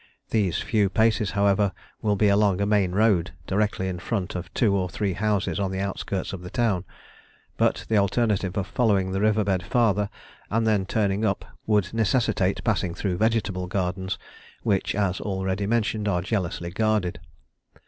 These few paces, however, will be along a main road directly in front of two or three houses on the outskirts of the town, but the alternative of following the river bed farther and then turning up would necessitate passing through vegetable gardens, which, as already mentioned, are jealously guarded.